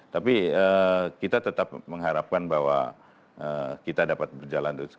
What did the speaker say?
tapi kita tetap mengharapkan bahwa kita dapat berjalan terus